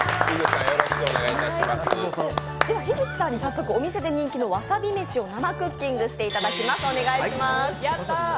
樋口さんに早速店で人気のわさびめしを生クッキングしていただきます。